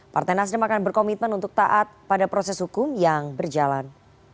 partai nasdem akan berkomitmen untuk taat pada proses hukum yang berjalan